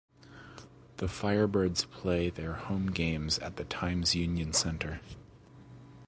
The Firebirds play their home games at the Times Union Center.